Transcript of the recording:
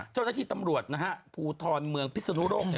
เจ้าหน้าที่ตำรวจนะฮะภูทรเมืองพิศนุโลก